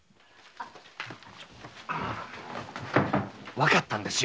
わかったんですよ